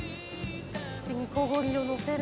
煮こごりをのせる。